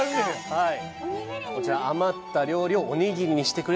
はい。